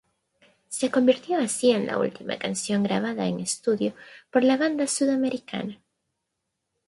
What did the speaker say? Se convirtió así en la última canción grabada en estudio por la banda sudamericana.